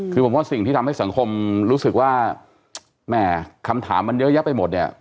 คือผมว่าสิ่งที่ทำให้สังคมรู้สึกว่าแหมคำถามมันเยอะแยะไปหมดเนี่ย